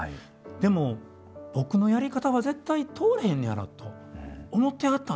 でも僕のやり方は絶対通らへんのやなと思ってはったんでしょうね。